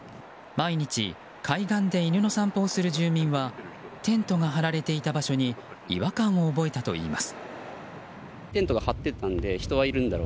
毎日海岸で犬の散歩をする住民はテントが張られていた場所に違和感を覚えたといいます。